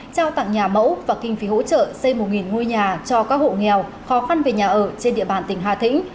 trao tặng nhà mẫu và kinh phí hỗ trợ xây một ngôi nhà cho các hộ nghèo khó khăn về nhà ở trên địa bàn tỉnh hà tĩnh